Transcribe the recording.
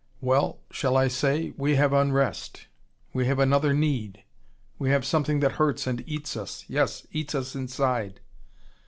"Well shall I say? We have unrest. We have another need. We have something that hurts and eats us, yes, eats us inside.